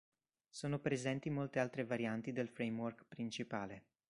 Sono presenti molte altre varianti del framework principale.